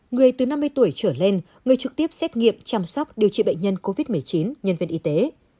người từ năm mươi tuổi trở lên người trực tiếp xét nghiệm chăm sóc điều trị bệnh nhân covid một mươi chín nhân viên y tế